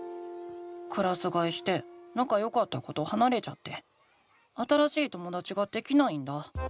クラスがえしてなかよかった子とはなれちゃって新しいともだちができないんだ。